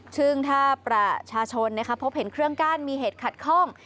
ซึ่งถ้าประชาชนพบเห็นเครื่องกั้นมีเหตุขัดข้อง